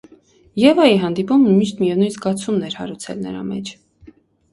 Եվայի հանդիպումը միշտ միևնույն գգացումն էր հարուցել նրա մեջ: